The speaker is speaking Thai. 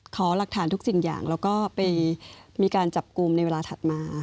ขอหลักฐานทุกสิ่งอย่างแล้วก็ไปมีการจับกลุ่มในเวลาถัดมา